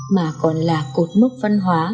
mà còn là cột mốc văn hóa